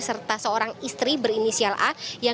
serta seorang istri berinisial a